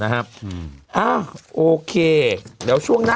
มันติดคุกออกไปออกมาได้สองเดือน